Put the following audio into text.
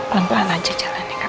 lempel aja jalannya kak papa